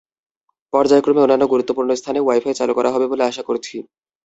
পর্যায়ক্রমে অন্যান্য গুরুত্বপূর্ণ স্থানেও ওয়াই-ফাই চালু করা হবে বলে আশা করছি।